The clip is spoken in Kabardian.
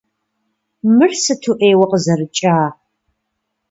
Мыр сыту ӏейуэ къызэрыкӏа!